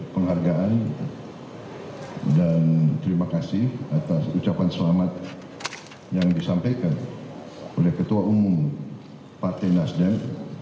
penghargaan dan terima kasih atas ucapan selamat yang disampaikan oleh ketua umum partai nasdem